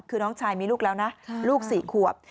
คือน้องชายมีลูกแล้วนะลูก๔ขวบ